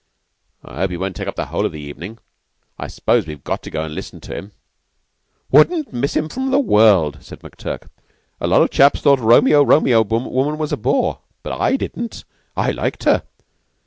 "Hope he won't take up the whole of the evening. I suppose we've got to listen to him." "Wouldn't miss him for the world," said McTurk. "A lot of chaps thought that Romeo Romeo woman was a bore. I didn't. I liked her!